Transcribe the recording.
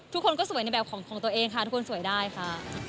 ทุกคนก็สวยในแบบของตัวเองค่ะทุกคนสวยได้ค่ะ